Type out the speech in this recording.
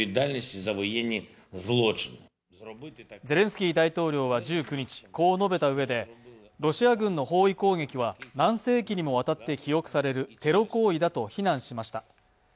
ゼレンスキー大統領は１９日、こう述べたうえでロシア軍の包囲攻撃は何世紀にも渡って記憶されるテロ行為だと非難しました。